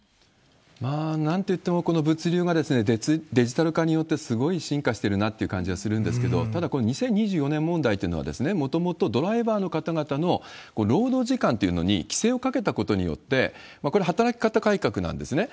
なんといっても、この物流がデジタル化によってすごい進化してるなっていう感じはするんですけど、ただこの２０２４年問題というのは、もともとドライバーの方々の労働時間っていうのに規制をかけたことによって、これ、働き方改革なんですね。